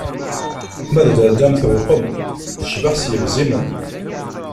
Ma d lalla-m tewqem, tecbeḥ s yebzimen.